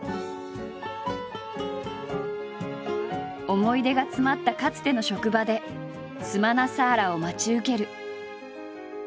思い出が詰まったかつての職場でスマナサーラを待ち受ける。